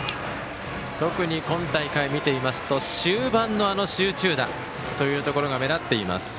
特に今大会を見ていますと終盤の集中打というところが目立っています。